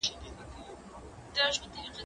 زه هره ورځ د کتابتون لپاره کار کوم،